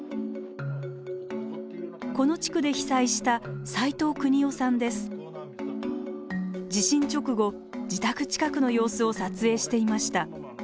この地区で被災した地震直後自宅近くの様子を撮影していました。